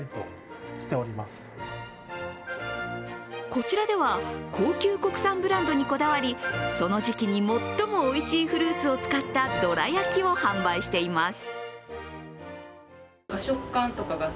こちらでは高級国産ブランドにこだわり、その時期に最もおいしいフルーツを使ったどら焼きを販売しています。